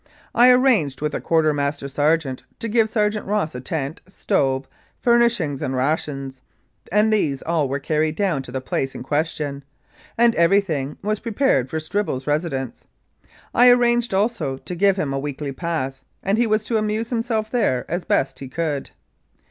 I arranged with the quarter master sergeant to give Sergeant Ross a tent, stove, furnishings and rations, and these were all carried down to the place in question, and everything was prepared for Stribble's residence. I arranged also to give him a weekly pass, and he was to amuse himself there as best he could.